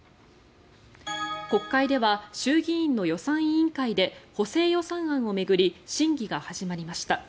国会では衆議院の予算委員会で補正予算案を巡り審議が始まりました。